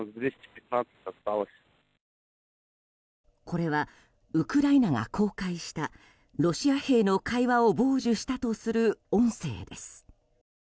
これはウクライナが公開したロシア兵の会話を傍受したとする音声です。